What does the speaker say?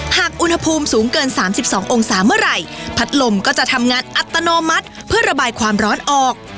หากอุณหภูมิสูงเกิน๓๒องศาเมื่อไหร่พัดลมก็จะทำงานอัตโนมัติเพื่อระบายความร้อนออก